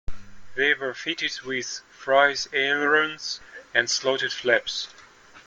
They were fitted with Frise ailerons and slotted flaps.